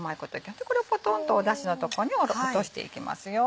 これをポトンとだしのとこに落としていきますよ。